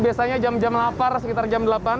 biasanya jam jam lapar sekitar jam delapan